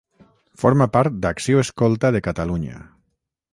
Forma part d'Acció Escolta de Catalunya.